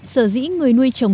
sở dĩ người nuôi trồng